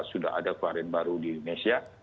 sudah ada varian baru di indonesia